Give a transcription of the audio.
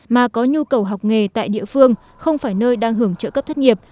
mà có nhu cầu học nghề tại địa phương không phải nơi đang hưởng trợ cấp thất nghiệp